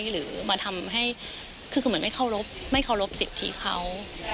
เล่งมือมาทำให้คุณคือเหมือนไม่เค้ารพสิทธิเขา